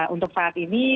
untuk saat ini